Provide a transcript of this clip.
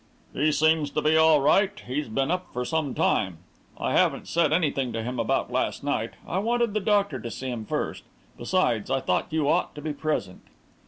"He seems to be all right. He's been up for some time. I haven't said anything to him about last night I wanted the doctor to see him first; besides, I thought you ought to be present."